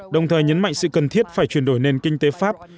đồng thời nhấn mạnh sự cần thiết phải chuyển đổi nền kinh tế pháp